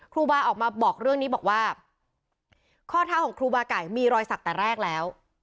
ครูบาออกมาบอกเรื่องนี้บอกว่าข้อเท้าของครูบาไก่มีรอยสักแต่แรกแล้ว